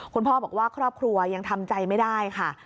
คุณพ่อบอกว่าครอบครัวยังทำใจไม่ได้ค่ะ